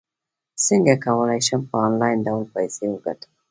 څنګه کولی شم په انلاین ډول پیسې وګټم